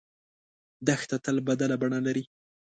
دښته تل بدله بڼه لري.